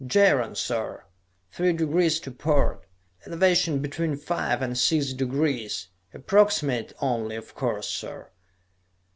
"Jaron, sir. Three degrees to port; elevation between five and six degrees. Approximate only, of course, sir."